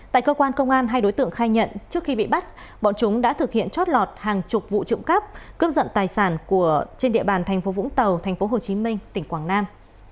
tại cơ quan công an hai đối tượng khai nhận trước khi bị bắt bọn chúng đã thực hiện chót lọt hàng chục vụ trộm cắp cướp dận tài sản trên địa bàn tp vũng tàu tp hcm tỉnh quảng nam